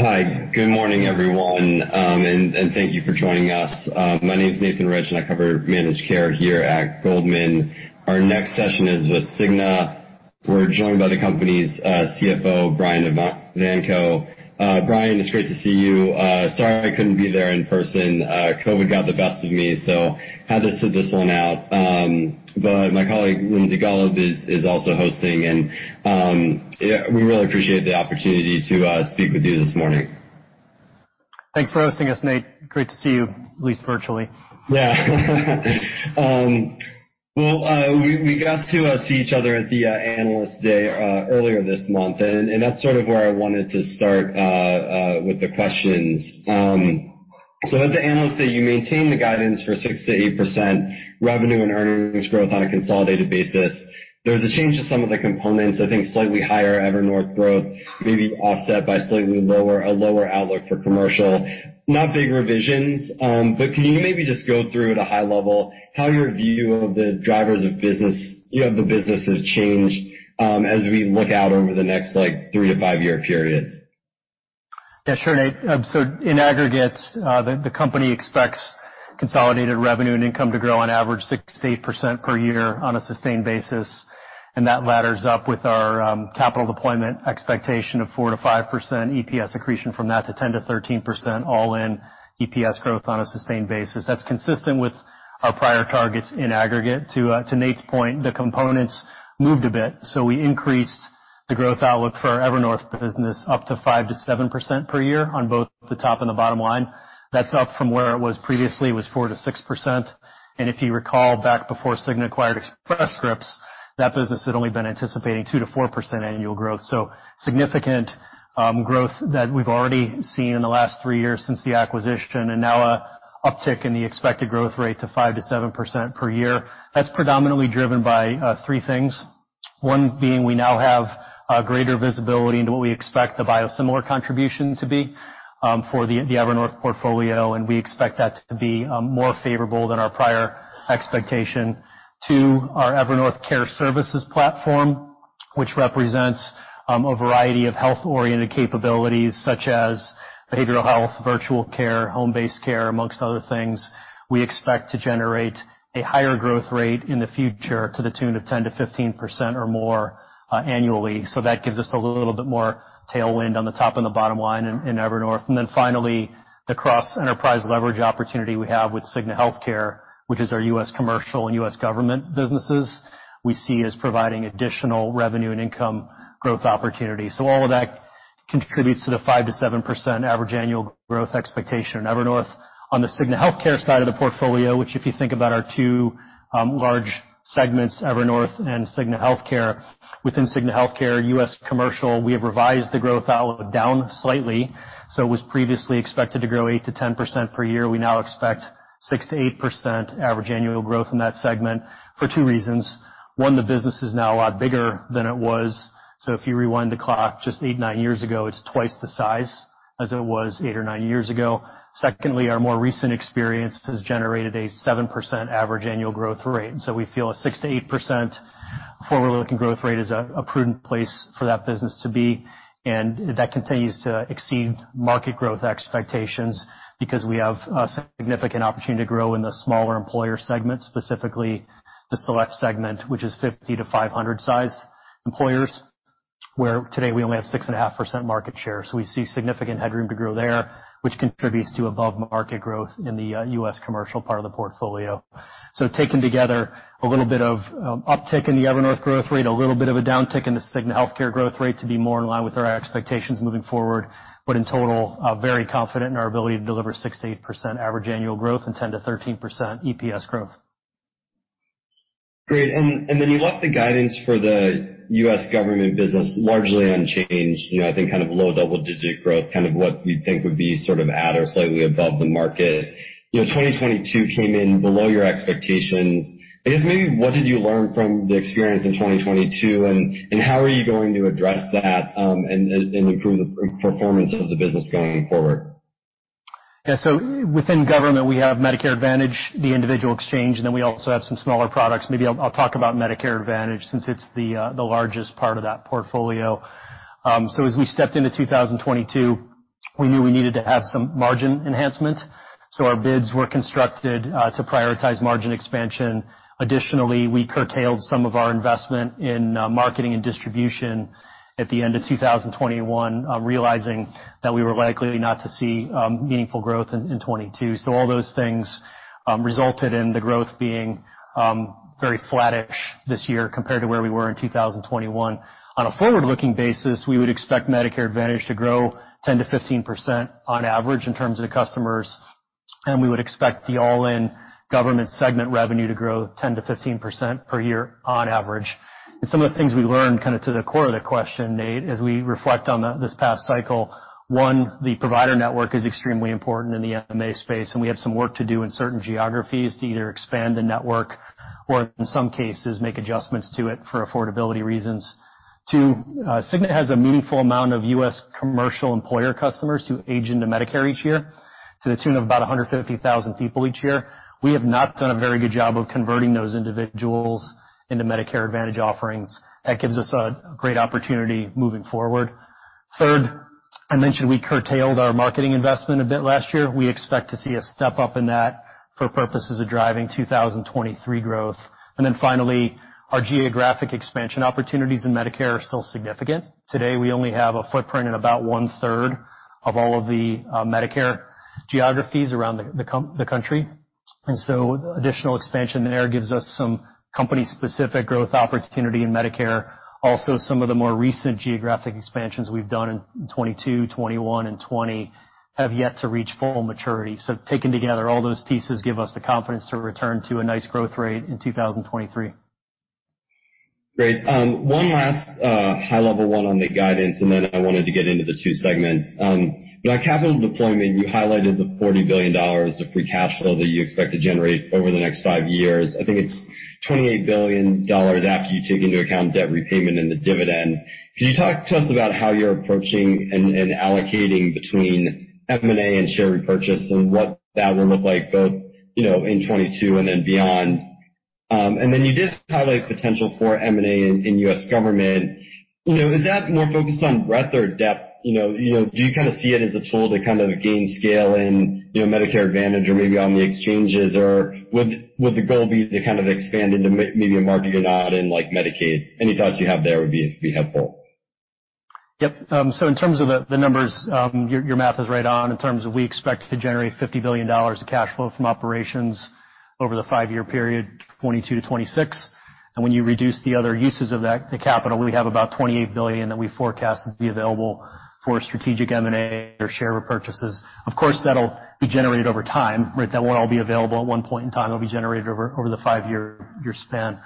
Hi, good morning everyone, and thank you for joining us. My name is Nathan Rich, and I cover managed care here at Goldman. Our next session is with The Cigna. We're joined by the company's CFO, Brian Evanko. Brian, it's great to see you. Sorry I couldn't be there in person. COVID got the best of me, so I had to sit this one out. My colleague Lindsay Golub is also hosting, and we really appreciate the opportunity to speak with you this morning. Thanks for hosting us, Nate. Great to see you, at least virtually. Yeah. We got to see each other at the Analyst Day earlier this month, and that's sort of where I wanted to start with the questions. At the Analyst Day, you maintain the guidance for 6% to 8% revenue and earnings growth on a consolidated basis. There's a change to some of the components, I think slightly higher Evernorth growth, maybe offset by slightly lower, a lower outlook for commercial, not big revisions. Can you maybe just go through at a high level? How do your view of the drivers of business, you know, the business has changed as we look out over the next like three to five-year period? Yeah, sure, Nate. In aggregate, the company expects consolidated revenue and income to grow on average 6% to 8% per year on a sustained basis. That ladders up with our capital deployment expectation of 4% to 5%, EPS accretion from that to 10% to 13% all-in EPS growth on a sustained basis. That's consistent with our prior targets in aggregate. To Nate's point, the components moved a bit. We increased the growth outlook for our Evernorth business up to 5% to 7% per year on both the top and the bottom line. That's up from where it was previously, was 4% to 6%. If you recall back before Cigna acquired Express Scripts, that business had only been anticipating 2% to 4% annual growth. Significant growth that we've already seen in the last three years since the acquisition, and now an uptick in the expected growth rate to 5% to 7% per year. That's predominantly driven by three things. One being we now have greater visibility into what we expect the biosimilar contribution to be for the Evernorth portfolio, and we expect that to be more favorable than our prior expectation. Two, our Evernorth Care Services platform, which represents a variety of health-oriented capabilities such as behavioral health, virtual care, home-based care, amongst other things. We expect to generate a higher growth rate in the future to the tune of 10% to 15% or more annually. That gives us a little bit more tailwind on the top and the bottom line in Evernorth. Finally, the cross-enterprise leverage opportunity we have with Cigna Healthcare, which is our US commercial and U.S. government businesses, we see as providing additional revenue and income growth opportunities. All of that contributes to the 5% to 7% average annual growth expectation in Evernorth. On the Cigna Healthcare side of the portfolio, which if you think about our two large segments, Evernorth and Cigna Healthcare, within Cigna Healthcare, US commercial, we have revised the growth outlook down slightly. It was previously expected to grow 8% to 10% per year. We now expect 6% to 8% average annual growth in that segment for two reasons. One, the business is now a lot bigger than it was. If you rewind the clock just eight, nine years ago, it's twice the size as it was eight or nine years ago. Secondly, our more recent experience has generated a 7% average annual growth rate. We feel a 6% to 8% forward-looking growth rate is a prudent place for that business to be. That continues to exceed market growth expectations because we have a significant opportunity to grow in the smaller employer segments, specifically the select employer segment, which is 50 to 500 sized employers, where today we only have 6.5% market share. We see significant headroom to grow there, which contributes to above-market growth in the US commercial part of the portfolio. Taken together, a little bit of uptick in the Evernorth growth rate, a little bit of a downtick in the Cigna Healthcare growth rate to be more in line with our expectations moving forward. In total, very confident in our ability to deliver 6% to 8% average annual growth and 10% to 13% EPS growth. Great. You left the guidance for the US government business largely unchanged. I think kind of low double-digit growth, kind of what you think would be sort of at or slightly above the market. 2022 came in below your expectations. I guess maybe what did you learn from the experience in 2022 and how are you going to address that and improve the performance of the business going forward? Yeah, so within government, we have Medicare Advantage, the individual exchange, and then we also have some smaller products. Maybe I'll talk about Medicare Advantage since it's the largest part of that portfolio. As we stepped into 2022, we knew we needed to have some margin enhancement. Our bids were constructed to prioritize margin expansion. Additionally, we curtailed some of our investment in marketing and distribution at the end of 2021, realizing that we were likely not to see meaningful growth in 2022. All those things resulted in the growth being very flattish this year compared to where we were in 2021. On a forward-looking basis, we would expect Medicare Advantage to grow 10% to 15% on average in terms of the customers. We would expect the all-in government segment revenue to grow 10% to 15% per year on average. Some of the things we learned, kind of to the core of the question, Nate, as we reflect on that this past cycle, one, the provider network is extremely important in the M&A space, and we have some work to do in certain geographies to either expand the network or in some cases make adjustments to it for affordability reasons. Two, Cigna has a meaningful amount of US commercial employer customers who age into Medicare each year, to the tune of about 150,000 people each year. We have not done a very good job of converting those individuals into Medicare Advantage offerings. That gives us a great opportunity moving forward. Third, I mentioned we curtailed our marketing investment a bit last year. We expect to see a step up in that for purposes of driving 2023 growth. Finally, our geographic expansion opportunities in Medicare are still significant. Today, we only have a footprint in about one-third of all of the Medicare geographies around the country. Additional expansion there gives us some company-specific growth opportunity in Medicare. Also, some of the more recent geographic expansions we've done in 2022, 2021, and 2020 have yet to reach full maturity. Taken together, all those pieces give us the confidence to return to a nice growth rate in 2023. Great. One last high-level run on the guidance, and then I wanted to get into the two segments. Now, capital deployment, you highlighted the $40 billion of free cash flow that you expect to generate over the next five years. I think it's $28 billion after you take into account debt repayment and the dividend. Can you talk to us about how you're approaching and allocating between M&A and share repurchase and what that would look like both, you know, in 2022 and then beyond? You did highlight potential for M&A in US government. Is that more focused on breadth or depth? Do you kind of see it as a tool to kind of gain scale in Medicare Advantage or maybe on the exchanges, or would the goal be to kind of expand into maybe a market you're not in, like Medicaid? Any thoughts you have there would be helpful. Yep. In terms of the numbers, your math is right on. We expect to generate $50 billion of cash flow from operations over the five-year period, 2022 to 2026. When you reduce the other uses of that capital, we have about $28 billion that we forecast to be available for strategic M&A or share repurchases. Of course, that'll be generated over time, right? That won't all be available at one point in time. It'll be generated over the five-year span.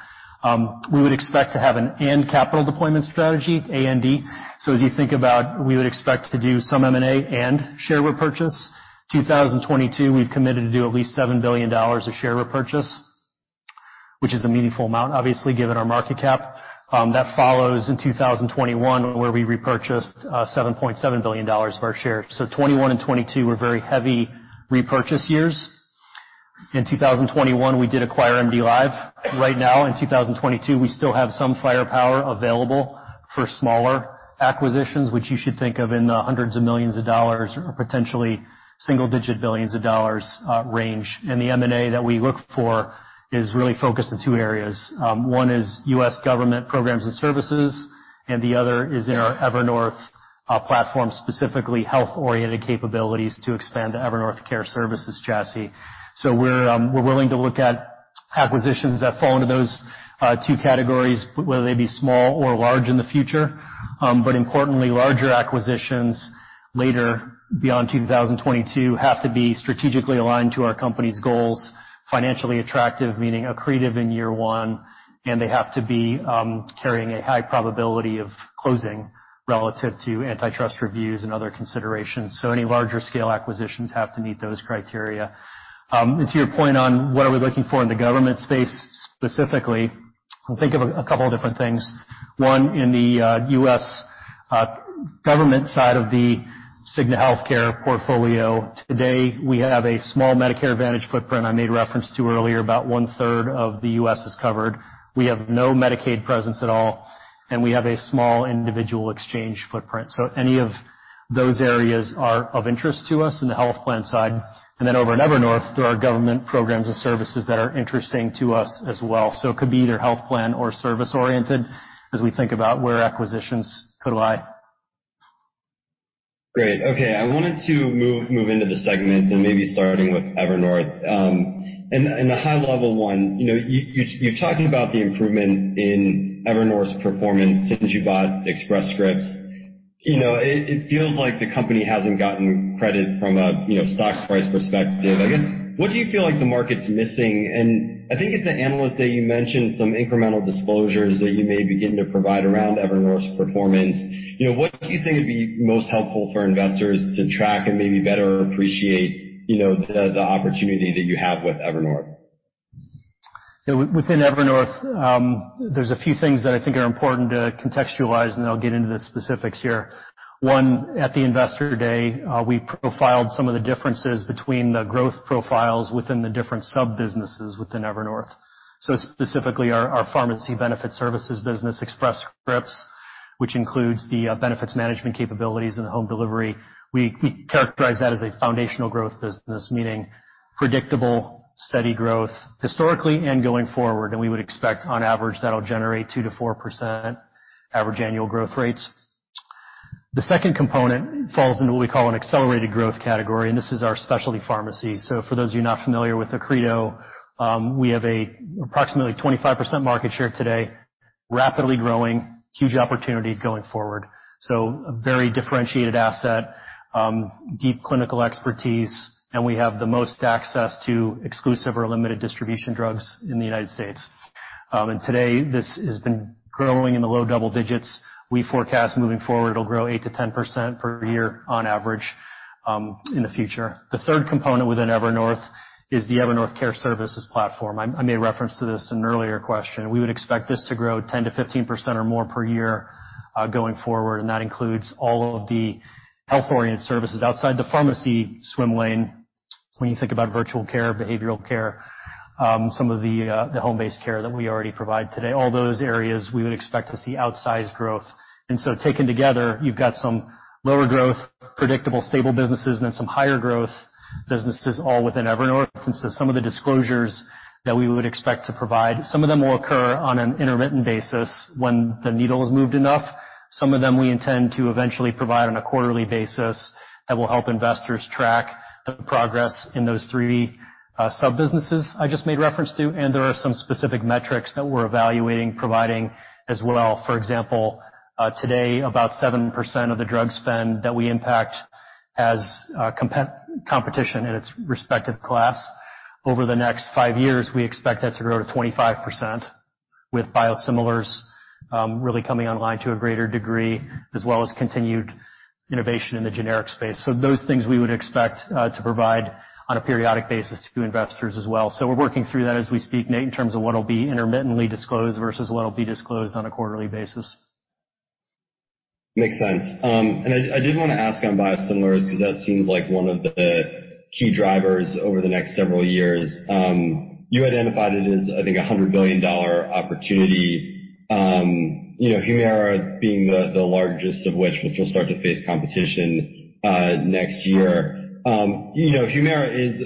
We would expect to have an end capital deployment strategy, M&A. As you think about it, we would expect to do some M&A and share repurchase. In 2022, we've committed to do at least $7 billion of share repurchase, which is a meaningful amount, obviously, given our market cap. That follows in 2021 where we repurchased $7.7 billion of our shares. 2021 and 2022 were very heavy repurchase years. In 2021, we did acquire MDLive. Right now, in 2022, we still have some firepower available for smaller acquisitions, which you should think of in the hundreds of millions of dollars or potentially single-digit billions of dollars range. The M&A that we look for is really focused in two areas. One is US government programs and services, and the other is in our Evernorth platform, specifically health-oriented capabilities to expand the Evernorth Care Services chassis. We're willing to look at acquisitions that fall into those two categories, whether they be small or large in the future. Importantly, larger acquisitions later beyond 2022 have to be strategically aligned to our company's goals, financially attractive, meaning accretive in year one, and they have to be carrying a high probability of closing relative to antitrust reviews and other considerations. Any larger scale acquisitions have to meet those criteria. To your point on what are we looking for in the government space specifically, I'll think of a couple of different things. In the US government side of the Cigna Healthcare portfolio, today we have a small Medicare Advantage footprint I made reference to earlier. About one-third of the U.S. is covered. We have no Medicaid presence at all, and we have a small individual exchange footprint. Any of those areas are of interest to us in the health plan side. Over in Evernorth, there are government programs and services that are interesting to us as well. It could be either health plan or service-oriented as we think about where acquisitions could lie. Great. Okay, I wanted to move into the segments, and maybe starting with Evernorth. In a high-level one, you've talked about the improvement in Evernorth's performance since you bought Express Scripts. It feels like the company hasn't gotten credit from a stock price perspective. I guess, what do you feel like the market's missing? At the Analyst Day, you mentioned some incremental disclosures that you may begin to provide around Evernorth's performance. What do you think would be most helpful for investors to track and maybe better appreciate the opportunity that you have with Evernorth? Yeah, within Evernorth, there's a few things that I think are important to contextualize, and I'll get into the specifics here. One, at the Investor Day, we profiled some of the differences between the growth profiles within the different sub-businesses within Evernorth. Specifically, our pharmacy benefits services business, Express Scripts, which includes the benefits management capabilities and the home delivery. We characterize that as a foundational growth business, meaning predictable, steady growth historically and going forward. We would expect on average that'll generate 2% to 4% average annual growth rates. The second component falls into what we call an accelerated growth category, and this is our Specialty Pharmacy. For those of you not familiar with Accredo, we have approximately 25% market share today, rapidly growing, huge opportunity going forward. A very differentiated asset, deep clinical expertise, and we have the most access to exclusive or limited distribution drugs in the U.S. Today, this has been growing in the low double digits. We forecast moving forward, it'll grow 8% to 10% per year on average in the future. The third component within Evernorth is the Evernorth Care Services platform. I made reference to this in an earlier question. We would expect this to grow 10% to 15% or more per year going forward. That includes all of the health-oriented services outside the pharmacy swim lane when you think about virtual care, behavioral care, some of the home-based care that we already provide today. All those areas we would expect to see outsized growth. Taken together, you've got some lower growth, predictable, stable businesses, and then some higher growth businesses all within Evernorth. Some of the disclosures that we would expect to provide, some of them will occur on an intermittent basis when the needle is moved enough. Some of them we intend to eventually provide on a quarterly basis that will help investors track the progress in those three sub-businesses I just made reference to. There are some specific metrics that we're evaluating, providing as well. For example, today, about 7% of the drug spend that we impact has competition in its respective class. Over the next five years, we expect that to grow to 25% with biosimilars really coming online to a greater degree, as well as continued innovation in the generic space. Those things we would expect to provide on a periodic basis to investors as well. We're working through that as we speak, Nate, in terms of what'll be intermittently disclosed versus what'll be disclosed on a quarterly basis. Makes sense. I did want to ask on biosimilars. That seems like one of the key drivers over the next several years. You identified it as, I think, a $100 billion opportunity, you know, Humira being the largest of which will start to face competition next year. Humira is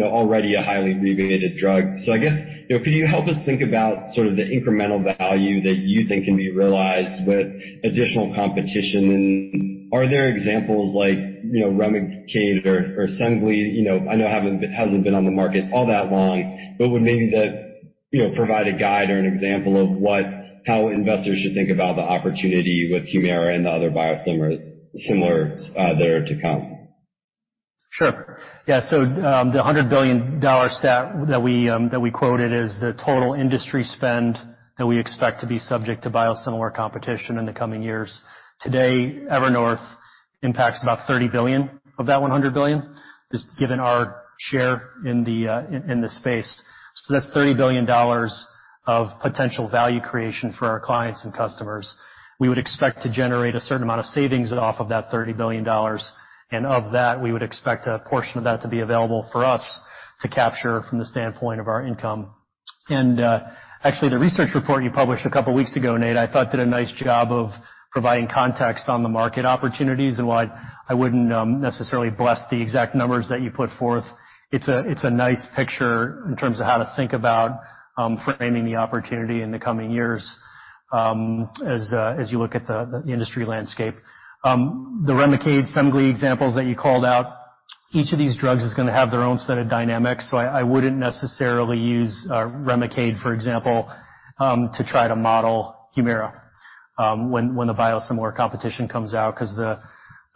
already a highly remunerated drug. I guess, could you help us think about sort of the incremental value that you think can be realized with additional competition? Are there examples like, you know, Remicade or Assembly? I know it hasn't been on the market all that long, but would maybe that provide a guide or an example of what investors should think about the opportunity with Humira and the other biosimilars there to come? Sure. Yeah, so the $100 billion that we quoted is the total industry spend that we expect to be subject to biosimilar competition in the coming years. Today, Evernorth impacts about $30 billion of that $100 billion, just given our share in the space. That's $30 billion of potential value creation for our clients and customers. We would expect to generate a certain amount of savings off of that $30 billion. Of that, we would expect a portion of that to be available for us to capture from the standpoint of our income. Actually, the research report you published a couple of weeks ago, Nate, I thought did a nice job of providing context on the market opportunities. While I wouldn't necessarily bless the exact numbers that you put forth, it's a nice picture in terms of how to think about framing the opportunity in the coming years as you look at the industry landscape. The Remicade, Assembly examples that you called out, each of these drugs is going to have their own set of dynamics. I wouldn't necessarily use Remicade, for example, to try to model Humira when the biosimilar competition comes out because the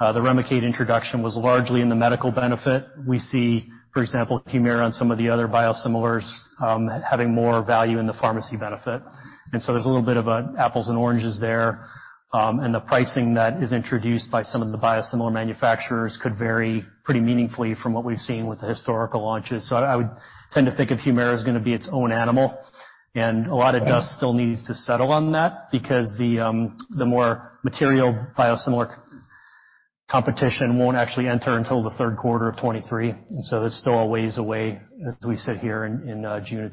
Remicade introduction was largely in the medical benefit. We see, for example, Humira and some of the other biosimilars having more value in the pharmacy benefit. There's a little bit of apples and oranges there. The pricing that is introduced by some of the biosimilar manufacturers could vary pretty meaningfully from what we've seen with the historical launches. I would tend to think of Humira as going to be its own animal. A lot of dust still needs to settle on that because the more material biosimilar competition won't actually enter until the third quarter of 2023. There's still a ways away as we sit here in June of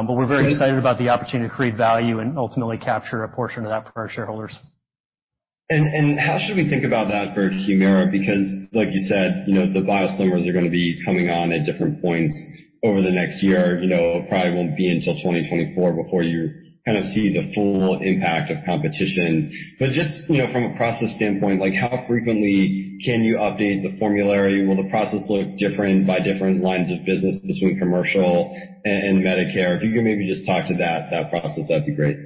2022. We're very excited about the opportunity to create value and ultimately capture a portion of that from our shareholders. How should we think about that for Humira? Because, like you said, the biosimilars are going to be coming on at different points over the next year. It probably won't be until 2024 before you kind of see the full impact of competition. Just from a process standpoint, how frequently can you update the formulary? Will the process look different by different lines of business between commercial and Medicare? If you could maybe just talk to that process, that'd be great.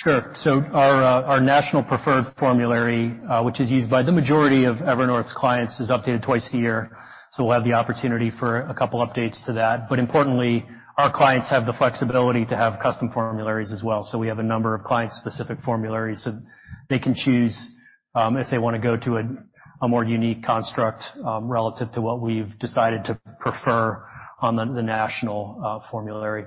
Sure. Our national preferred formulary, which is used by the majority of Evernorth's clients, is updated twice a year. We will have the opportunity for a couple of updates to that. Importantly, our clients have the flexibility to have custom formularies as well. We have a number of client-specific formularies that they can choose if they want to go to a more unique construct relative to what we've decided to prefer on the national formulary.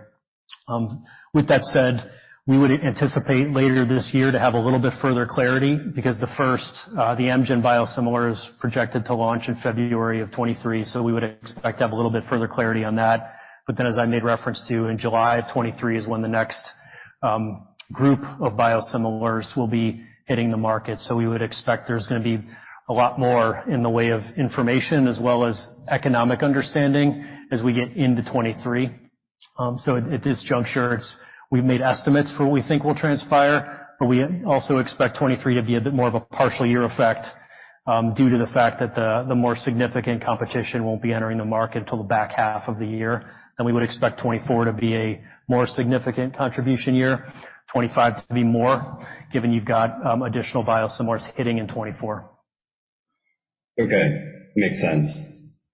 With that said, we would anticipate later this year to have a little bit further clarity because the first, the Amgen biosimilars, is projected to launch in February of 2023. We would expect to have a little bit further clarity on that. As I made reference to, in July of 2023 is when the next group of biosimilars will be hitting the market. We would expect there's going to be a lot more in the way of information as well as economic understanding as we get into 2023. At this juncture, we've made estimates for what we think will transpire, but we also expect 2023 to be a bit more of a partial year effect due to the fact that the more significant competition will not be entering the market until the back half of the year. We would expect 2024 to be a more significant contribution year, 2025 to be more, given you've got additional biosimilars hitting in 2024. Okay, makes sense.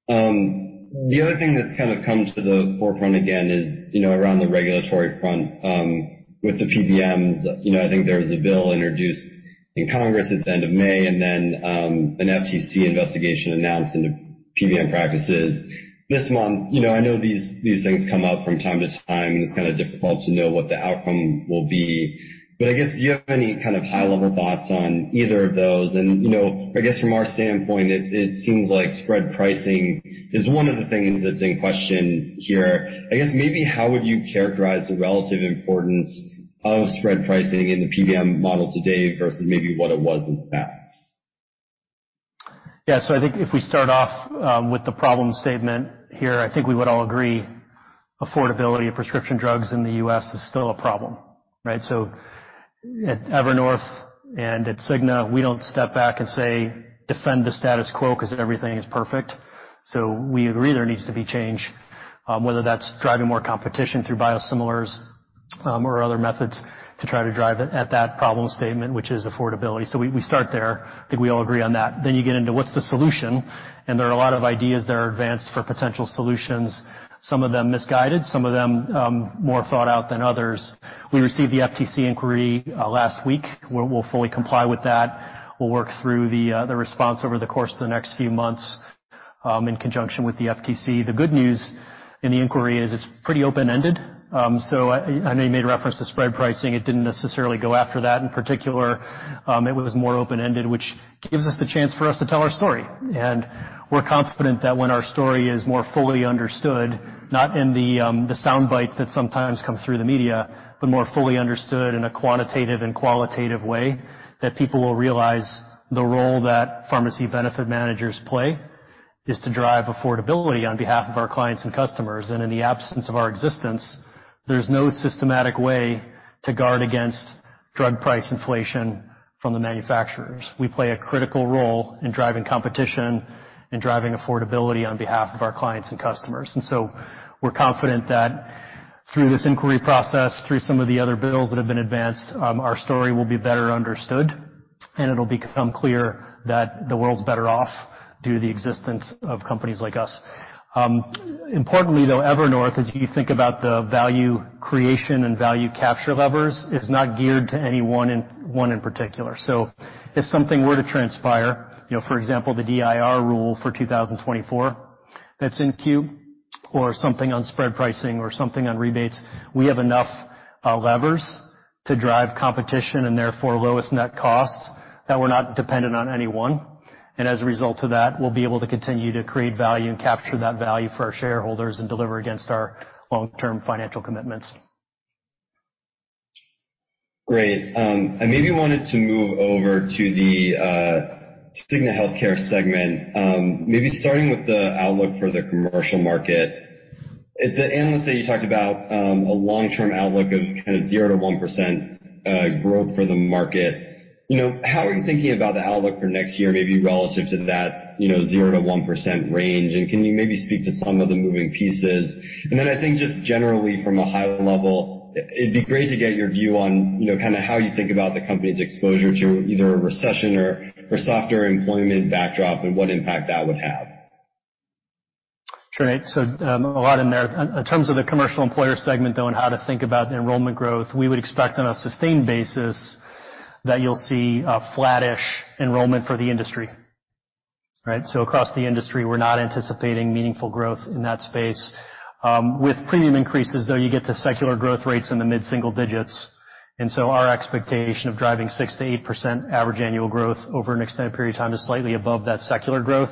The other thing that's kind of come to the forefront again is, you know, around the regulatory front with the PBMs. I think there's a bill introduced in Congress at the end of May and then an FTC inquiry announced into PBM practices this month. I know these things come up from time to time, and it's kind of difficult to know what the outcome will be. Do you have any kind of high-level thoughts on either of those? From our standpoint, it seems like spread pricing is one of the things that's in question here. Maybe how would you characterize the relative importance of spread pricing in the PBM model today versus maybe what it was in the past? Yeah, so I think if we start off with the problem statement here, I think we would all agree affordability of prescription drugs in the U.S. is still a problem, right? At Evernorth and at Cigna, we don't step back and say defend the status quo because everything is perfect. We agree there needs to be change, whether that's driving more competition through biosimilars or other methods to try to drive it at that problem statement, which is affordability. We start there. I think we all agree on that. You get into what's the solution? There are a lot of ideas that are advanced for potential solutions, some of them misguided, some of them more thought out than others. We received the FTC inquiry last week. We'll fully comply with that. We'll work through the response over the course of the next few months in conjunction with the FTC. The good news in the inquiry is it's pretty open-ended. I know you made reference to spread pricing. It didn't necessarily go after that in particular. It was more open-ended, which gives us the chance for us to tell our story. We're confident that when our story is more fully understood, not in the sound bites that sometimes come through the media, but more fully understood in a quantitative and qualitative way, people will realize the role that pharmacy benefit managers play is to drive affordability on behalf of our clients and customers. In the absence of our existence, there's no systematic way to guard against drug price inflation from the manufacturers. We play a critical role in driving competition and driving affordability on behalf of our clients and customers. We're confident that through this inquiry process, through some of the other bills that have been advanced, our story will be better understood. It'll become clear that the world's better off due to the existence of companies like us. Importantly, though, Evernorth, as you think about the value creation and value capture levers, is not geared to anyone in particular. If something were to transpire, for example, the DIR rule for 2024 that's in queue or something on spread pricing or something on rebates, we have enough levers to drive competition and therefore lowest net costs that we're not dependent on anyone. As a result of that, we'll be able to continue to create value and capture that value for our shareholders and deliver against our long-term financial commitments. Great. I maybe wanted to move over to the Cigna Healthcare segment, maybe starting with the outlook for the commercial market. The analyst that you talked about, a long-term outlook of kind of 0% to 1% growth for the market. You know, how are you thinking about the outlook for next year, maybe relative to that 0% to 1% range? Can you maybe speak to some of the moving pieces? I think just generally from a high level, it'd be great to get your view on how you think about the company's exposure to either a recession or softer employment backdrop and what impact that would have. Right. A lot in there. In terms of the commercial employer segment, though, and how to think about the enrollment growth, we would expect on a sustained basis that you'll see a flattish enrollment for the industry. Across the industry, we're not anticipating meaningful growth in that space. With premium increases, though, you get to secular growth rates in the mid-single digits. Our expectation of driving 6% to 8% average annual growth over an extended period of time is slightly above that secular growth,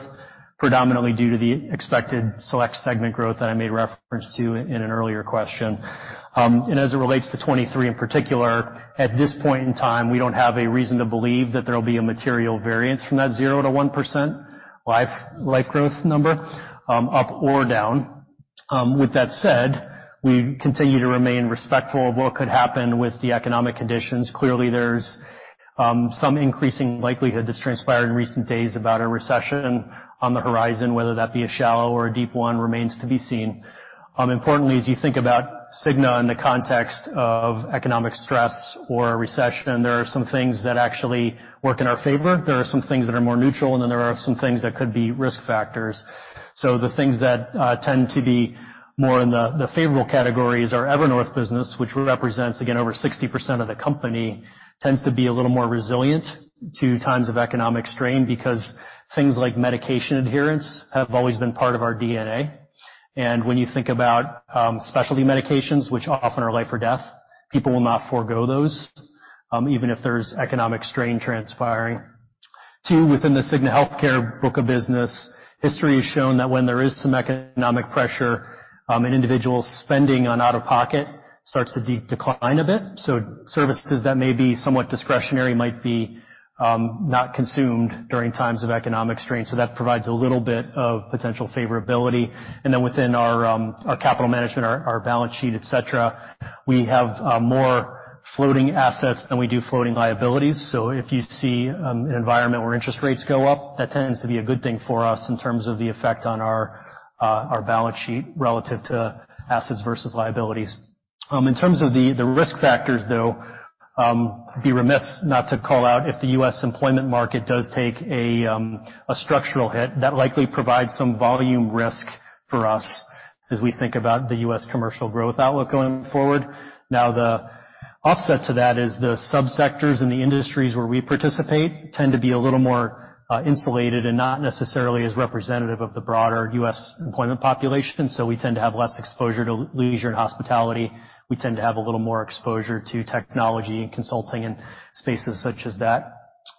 predominantly due to the expected select employer segment growth that I made reference to in an earlier question. As it relates to 2023 in particular, at this point in time, we don't have a reason to believe that there'll be a material variance from that 0% to 1% life growth number up or down. With that said, we continue to remain respectful of what could happen with the economic conditions. Clearly, there's some increasing likelihood that's transpired in recent days about a recession on the horizon, whether that be a shallow or a deep one remains to be seen. Importantly, as you think about Cigna in the context of economic stress or a recession, there are some things that actually work in our favor. There are some things that are more neutral, and then there are some things that could be risk factors. The things that tend to be more in the favorable categories are Evernorth business, which represents, again, over 60% of the company, tends to be a little more resilient to times of economic strain because things like medication adherence have always been part of our DNA. When you think about specialty medications, which often are life or death, people will not forego those, even if there's economic strain transpiring. Within the Cigna Healthcare broker business, history has shown that when there is some economic pressure, an individual's spending on out-of-pocket starts to decline a bit. Services that may be somewhat discretionary might be not consumed during times of economic strain. That provides a little bit of potential favorability. Within our capital management, our balance sheet, et cetera, we have more floating assets than we do floating liabilities. If you see an environment where interest rates go up, that tends to be a good thing for us in terms of the effect on our balance sheet relative to assets versus liabilities. In terms of the risk factors, though, I'd be remiss not to call out if the U.S. If the employment market does take a structural hit, that likely provides some volume risk for us as we think about the US commercial growth outlook going forward. The offset to that is the subsectors and the industries where we participate tend to be a little more insulated and not necessarily as representative of the broader US employment population. We tend to have less exposure to leisure and hospitality. We tend to have a little more exposure to technology and consulting and spaces such as that.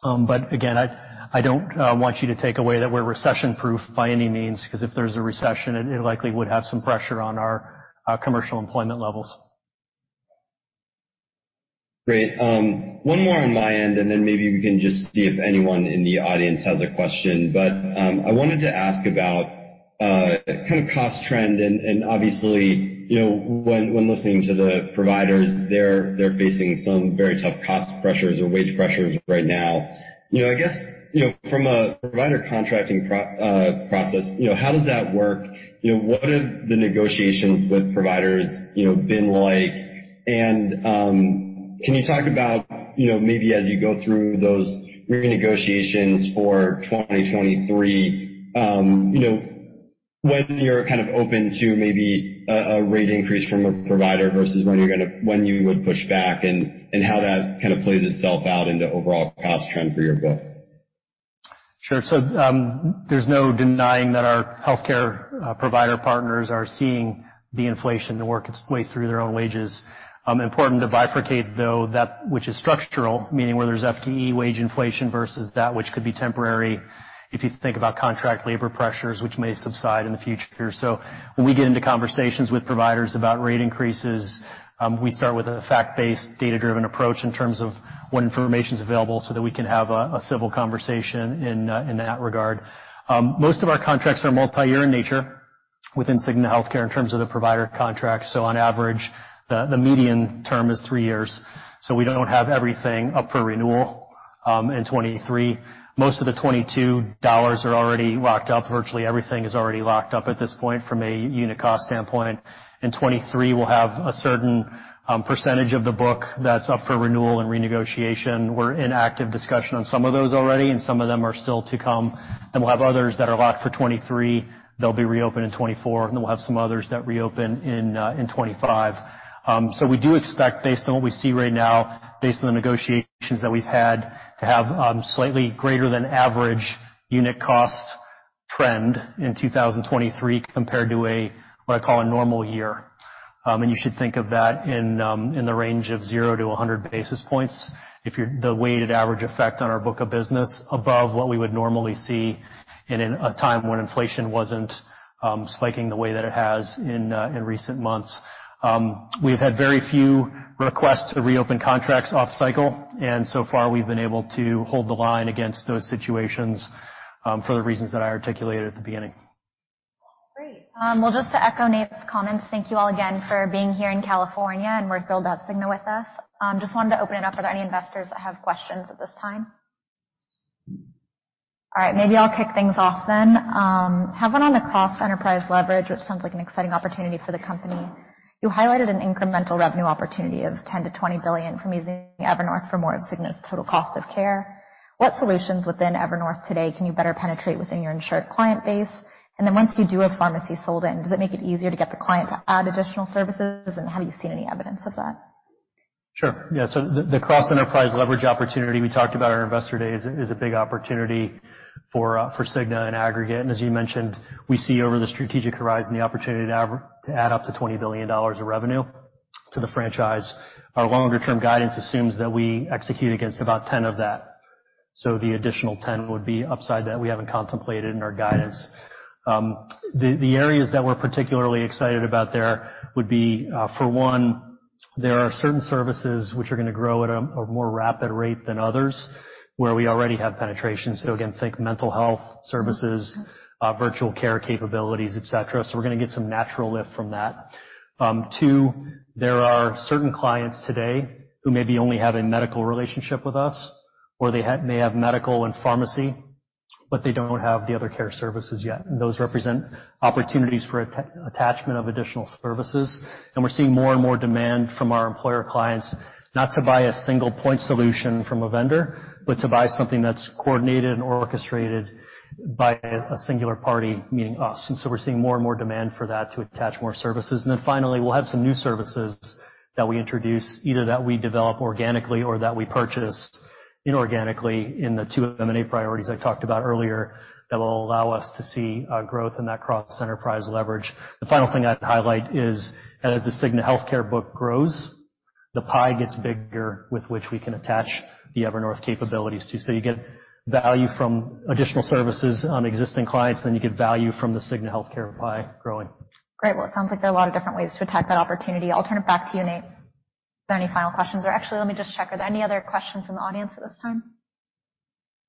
I don't want you to take away that we're recession-proof by any means because if there's a recession, it likely would have some pressure on our commercial employment levels. Great. One more on my end, and then maybe we can just see if anyone in the audience has a question. I wanted to ask about kind of cost trend. Obviously, you know, when listening to the providers, they're facing some very tough cost pressures or wage pressures right now. I guess, you know, from a provider contracting process, how does that work? What have the negotiations with providers been like? Can you talk about, maybe as you go through those renegotiations for 2023, whether you're kind of open to maybe a rate increase from a provider versus when you would push back and how that kind of plays itself out into overall cost trend for your book? Sure. There is no denying that our healthcare provider partners are seeing the inflation work its way through their own wages. It is important to bifurcate, though, that which is structural, meaning where there is FTE wage inflation, versus that which could be temporary. If you think about contract labor pressures, which may subside in the future here. When we get into conversations with providers about rate increases, we start with a fact-based, data-driven approach in terms of what information is available so that we can have a civil conversation in that regard. Most of our contracts are multi-year in nature within Cigna Healthcare in terms of the provider contracts. On average, the median term is three years. We do not have everything up for renewal in 2023. Most of the 2022 dollars are already locked up. Virtually everything is already locked up at this point from a unit cost standpoint. In 2023, we will have a certain percentage of the book that is up for renewal and renegotiation. We are in active discussion on some of those already, and some of them are still to come. We will have others that are locked for 2023. They will be reopened in 2024, and then we will have some others that reopen in 2025. We do expect, based on what we see right now, based on the negotiations that we have had, to have slightly greater than average unit cost trend in 2023 compared to what I call a normal year. You should think of that in the range of 0 to 100 basis points if you are the weighted average effect on our book of business above what we would normally see in a time when inflation was not spiking the way that it has in recent months. We have had very few requests to reopen contracts off cycle, and so far we have been able to hold the line against those situations for the reasons that I articulated at the beginning. Just to echo Nate's comments, thank you all again for being here in California and working with Cigna with us. I just wanted to open it up. Are there any investors that have questions at this time? All right, maybe I'll kick things off then. Having on the cost of enterprise leverage, which sounds like an exciting opportunity for the company, you highlighted an incremental revenue opportunity of $10 billion-$20 billion from using Evernorth for more of Cigna's total cost of care. What solutions within Evernorth today can you better penetrate within your insured client base? Once you do have pharmacy sold in, does it make it easier to get the client to add additional services? Have you seen any evidence of that? Sure. Yeah, the cross-enterprise leverage opportunity we talked about at our Investor Day is a big opportunity for The Cigna in aggregate. As you mentioned, we see over the strategic horizon the opportunity to add up to $20 billion of revenue to the franchise. Our longer-term guidance assumes that we execute against about 10% of that. The additional 10% would be upside that we haven't contemplated in our guidance. The areas that we're particularly excited about there would be, for one, there are certain services which are going to grow at a more rapid rate than others where we already have penetration. Think mental health services, virtual care capabilities, et cetera. We're going to get some natural lift from that. Two, there are certain clients today who maybe only have a medical relationship with us, or they may have medical and pharmacy, but they don't have the other care services yet. Those represent opportunities for attachment of additional services. We're seeing more and more demand from our employer clients not to buy a single point solution from a vendor, but to buy something that's coordinated and orchestrated by a singular party, meaning us. We're seeing more and more demand for that to attach more services. Finally, we'll have some new services that we introduce, either that we develop organically or that we purchased inorganically in the two M&A priorities I talked about earlier that will allow us to see growth in that cross-enterprise leverage. The final thing I'd highlight is that as the Cigna Healthcare book grows, the pie gets bigger with which we can attach the Evernorth capabilities to. You get value from additional services on existing clients, and then you get value from the Cigna Healthcare pie growing. Great. It sounds like there are a lot of different ways to attack that opportunity. I'll turn it back to you, Nate. Are there any final questions? Let me just check. Are there any other questions from the audience at this time?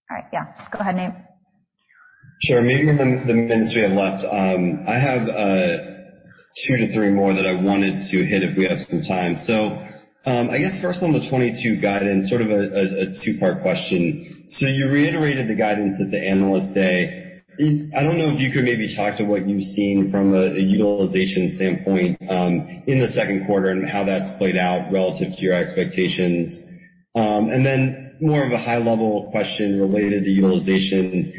All right. Go ahead, Nate. Sure. Maybe we're in the minutes we have left. I have two to three more that I wanted to hit if we have some time. First, on the 2022 guidance, sort of a two-part question. You reiterated the guidance at the Analyst Day. I don't know if you could maybe talk to what you've seen from a utilization standpoint in the second quarter and how that's played out relative to your expectations. Then more of a high-level question related to utilization.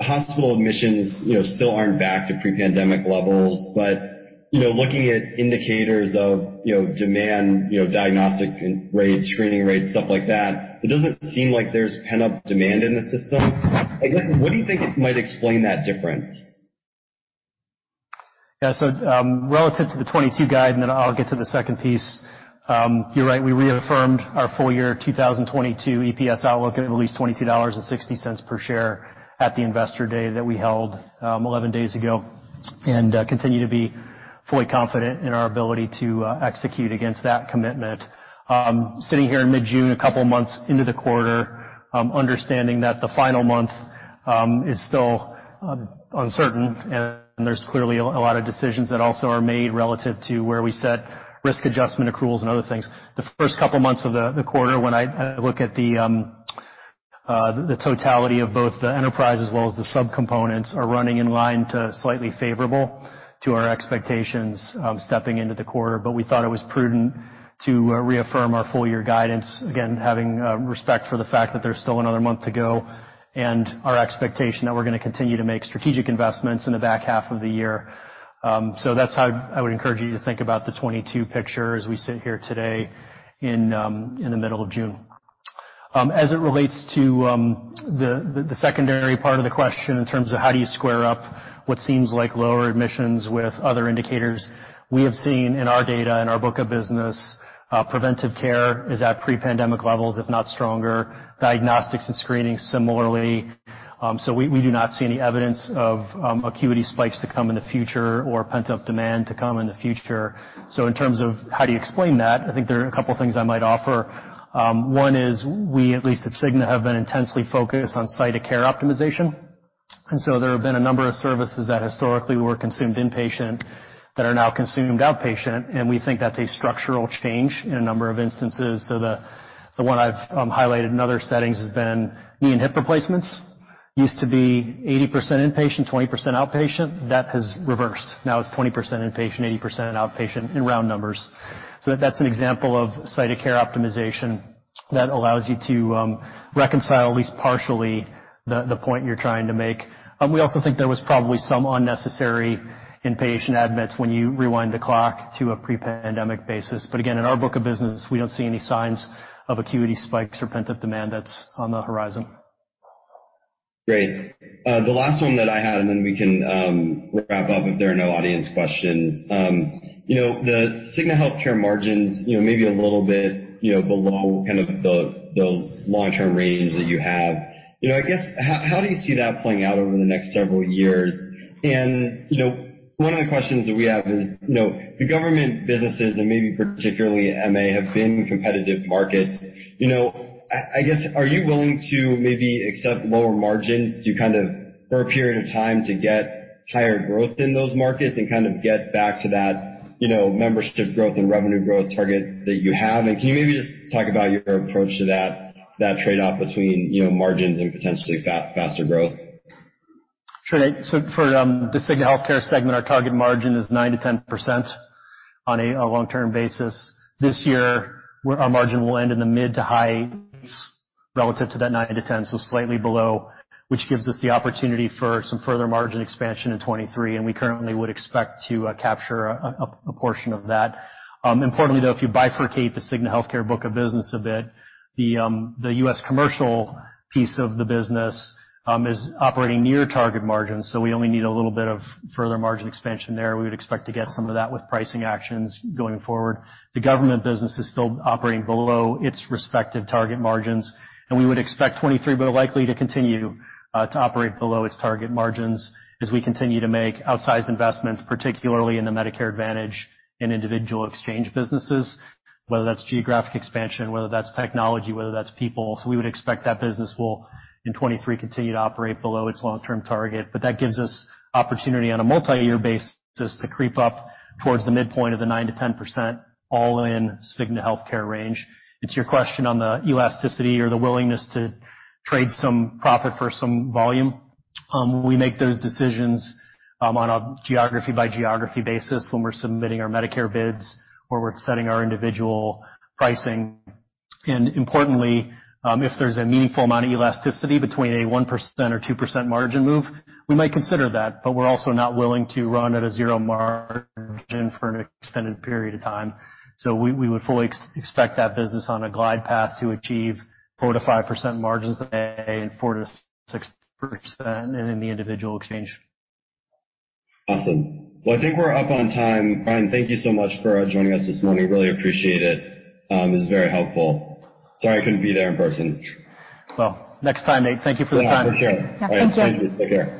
Hospital admissions still aren't back to pre-pandemic levels. Looking at indicators of demand, diagnostic rates, screening rates, stuff like that, it doesn't seem like there's pent-up demand in the system. What do you think might explain that difference? Yeah, so relative to the 2022 guide, and then I'll get to the second piece. You're right. We reaffirmed our full-year 2022 EPS outlook at at least $22.60 per share at the Investor Day that we held 11 days ago and continue to be fully confident in our ability to execute against that commitment. Sitting here in mid-June, a couple of months into the quarter, understanding that the final month is still uncertain, and there's clearly a lot of decisions that also are made relative to where we set risk adjustment accruals and other things. The first couple of months of the quarter, when I look at the totality of both the enterprise as well as the subcomponents, are running in line to slightly favorable to our expectations stepping into the quarter. We thought it was prudent to reaffirm our full-year guidance, again, having respect for the fact that there's still another month to go and our expectation that we're going to continue to make strategic investments in the back half of the year. That's how I would encourage you to think about the 2022 picture as we sit here today in the middle of June. As it relates to the secondary part of the question in terms of how do you square up what seems like lower admissions with other indicators, we have seen in our data and our book of business, preventive care is at pre-pandemic levels, if not stronger. Diagnostics and screening similarly. We do not see any evidence of acuity spikes to come in the future or pent-up demand to come in the future. In terms of how do you explain that, I think there are a couple of things I might offer. One is we, at least at The Cigna, have been intensely focused on site-of-care optimization. There have been a number of services that historically were consumed inpatient that are now consumed outpatient. We think that's a structural change in a number of instances. The one I've highlighted in other settings has been knee and hip replacements. Used to be 80% inpatient, 20% outpatient. That has reversed. Now it's 20% inpatient, 80% outpatient in round numbers. That's an example of site-of-care optimization that allows you to reconcile at least partially the point you're trying to make. We also think there was probably some unnecessary inpatient admits when you rewind the clock to a pre-pandemic basis. Again, in our book of business, we don't see any signs of acuity spikes or pent-up demand that's on the horizon. Great. The last one that I had, and then we can wrap up if there are no audience questions. The Cigna Healthcare margins, maybe a little bit below kind of the long-term range that you have. I guess how do you see that playing out over the next several years? One of the questions that we have is, the government businesses and maybe particularly Medicare Advantage have been competitive markets. I guess, are you willing to maybe accept lower margins for a period of time to get higher growth in those markets and kind of get back to that membership growth and revenue growth target that you have? Can you maybe just talk about your approach to that trade-off between margins and potentially faster growth? Sure. For the Cigna Healthcare segment, our target margin is 9% to 10% on a long-term basis. This year, our margin will end in the mid to high 8% relative to that 9% to 10%, so slightly below, which gives us the opportunity for some further margin expansion in 2023. We currently would expect to capture a portion of that. Importantly, if you bifurcate the Cigna Healthcare book of business a bit, the US commercial piece of the business is operating near target margins, so we only need a little bit of further margin expansion there. We would expect to get some of that with pricing actions going forward. The government business is still operating below its respective target margins, and we would expect 2023 more likely to continue to operate below its target margins as we continue to make outsized investments, particularly in the Medicare Advantage and individual exchange businesses, whether that's geographic expansion, whether that's technology, whether that's people. We would expect that business will, in 2023, continue to operate below its long-term target. That gives us opportunity on a multi-year basis to creep up towards the midpoint of the 9% to 10% all-in Cigna Healthcare range. To your question on the elasticity or the willingness to trade some profit for some volume, we make those decisions on a geography-by-geography basis when we're submitting our Medicare bids or we're setting our individual pricing. Importantly, if there's a meaningful amount of elasticity between a 1% or 2% margin move, we might consider that. We're also not willing to run at a zero margin for an extended period of time. We would fully expect that business on a glide path to achieve 4% to 5% margins in Medicare Advantage and 4% to 6% in the individual exchange. Awesome. I think we're up on time. Brian, thank you so much for joining us this morning. I really appreciate it. It was very helpful. Sorry I couldn't be there in person. Thank you for the time, Nate. Have a good day. Thank you. Take care.